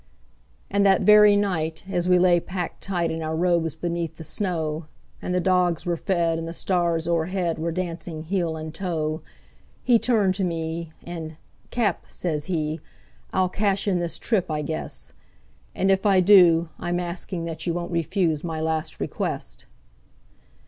And that very night, as we lay packed tight in our robes beneath the snow, And the dogs were fed, and the stars o'erhead were dancing heel and toe, He turned to me, and "Cap," says he, "I'll cash in this trip, I guess; And if I do, I'm asking that you won't refuse my last request."